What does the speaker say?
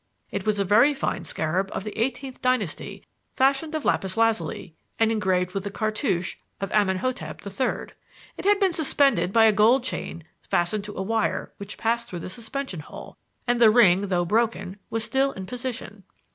It was a very fine scarab of the eighteenth dynasty fashioned of lapis lazuli and engraved with the cartouche of Amenhotep III. It had been suspended by a gold ring fastened to a wire which passed through the suspension hole, and the ring, though broken, was still in position.